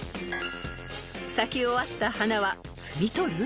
［咲き終わった花は摘み取る？